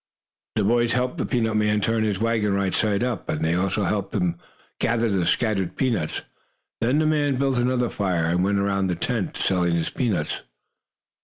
The boys helped the peanut man turn his wagon right side up, and they also helped him gather the scattered peanuts. Then the man built another fire, and went around the tent, selling his peanuts.